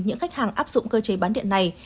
những khách hàng áp dụng cơ chế bán điện này